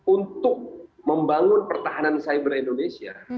untuk membangun pertahanan cyber indonesia